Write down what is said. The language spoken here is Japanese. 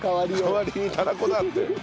代わりにたらこなんて。